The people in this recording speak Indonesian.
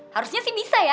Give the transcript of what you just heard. harusnya sih bisa ya